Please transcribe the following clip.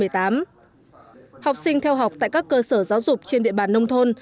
từ năm hai nghìn một mươi bảy hai nghìn một mươi tám học sinh theo học tại các cơ sở giáo dục trên địa bàn nông thôn